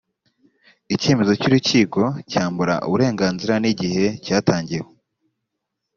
icyemezo cy’urukiko cyambura uburenganzira n’igihe cyatangiwe